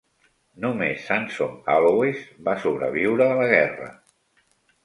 Només Sansom-Hallowes va sobreviure a la guerra.